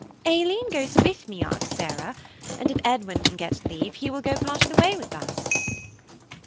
"Aileen goes with me, Aunt Sarah, and if Edwin can get leave, he will go part of the way with us."